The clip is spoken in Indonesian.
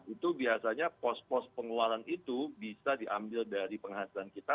itu biasanya pos pos pengeluaran itu bisa diambil dari penghasilan kita